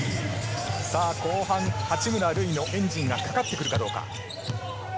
後半、八村塁のエンジンがかかってくるかどうか。